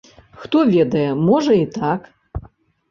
Хто ведае, можа і так.